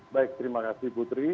baik terima kasih putri